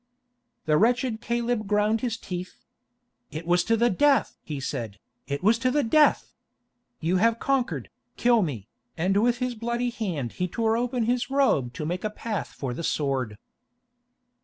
The wretched Caleb ground his teeth. "It was to the death!" he said, "it was to the death! You have conquered, kill me," and with his bloody hand he tore open his robe to make a path for the sword.